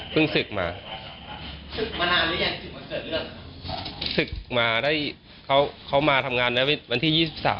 เพิ่งศึกมาศึกมาได้เขามาทำงานด้วยวันที่๒๓